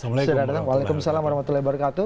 assalamualaikum warahmatullahi wabarakatuh